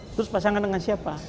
terus pasangan dengan siapa